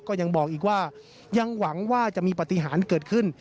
ก็ยังบอกอีกว่ายังหวังว่าจะมีปฏิหารเกิดขึ้น